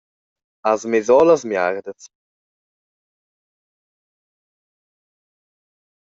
Has mess ora las miardas?